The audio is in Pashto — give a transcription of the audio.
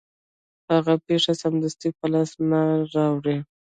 هغه پیسې سمدستي په لاس نه راوړي